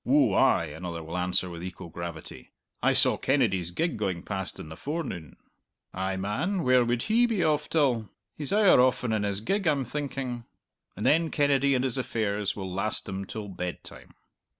"Ou ay," another will answer with equal gravity: "I saw Kennedy's gig going past in the forenoon." "Ay, man; where would he be off till? He's owre often in his gig, I'm thinking." And then Kennedy and his affairs will last them till bedtime.